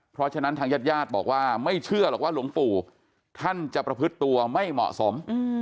เพราะฉะนั้นทางญาติญาติบอกว่าไม่เชื่อหรอกว่าหลวงปู่ท่านจะประพฤติตัวไม่เหมาะสม